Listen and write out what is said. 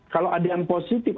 kalau ada yang positif